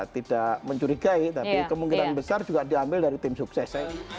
tidak mencurigai tapi kemungkinan besar juga diambil dari tim sukses